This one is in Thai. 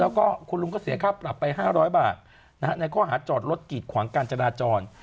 แล้วก็คุณลุงก็เสียค่าปรับไปห้าร้อยบาทนะฮะแล้วก็หาจอดรถกีดขวางการจราจร